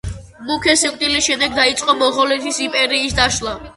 მუნქეს სიკვდილის შემდეგ დაიწყო მონღოლეთის იმპერიის დაშლა.